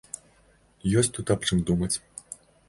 Ёсць тут аб чым думаць!